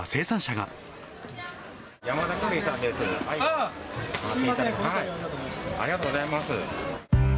ありがとうございます。